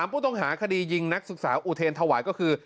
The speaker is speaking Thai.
ผู้ต้องหาคดียิงนักศึกษาอุเทรนถวายก็คือ